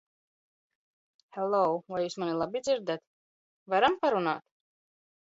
Hello, vai jūs mani labi dzirdat? Varam parunāt?